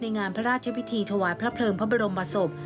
งานพระราชพิธีถวายพระเพลิงพระบรมศพ